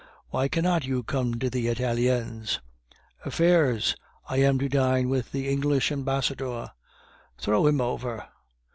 "Why cannot you come to the Italiens?" "Affairs! I am to dine with the English Ambassador." "Throw him over."